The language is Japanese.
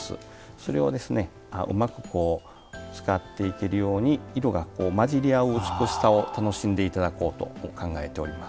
それを、うまく使っていけるよう色が交じり合う美しさを楽しんでいただこうと考えております。